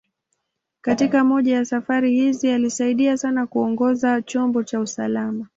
Katika moja ya safari hizi, alisaidia sana kuongoza chombo kwa usalama.